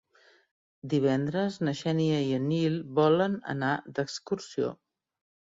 Divendres na Xènia i en Nil volen anar d'excursió.